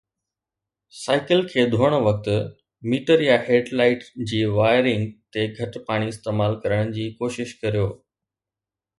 cycle کي ڌوئڻ وقت، ميٽر يا هيڊ لائيٽ جي وائرنگ تي گهٽ پاڻي استعمال ڪرڻ جي ڪوشش ڪريو